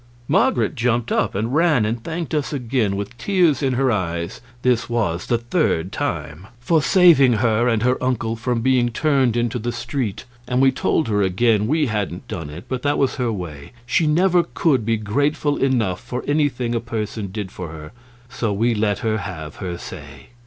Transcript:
Marget jumped up and ran and thanked us again, with tears in her eyes this was the third time for saving her and her uncle from being turned into the street, and we told her again we hadn't done it; but that was her way, she never could be grateful enough for anything a person did for her; so we let her have her say.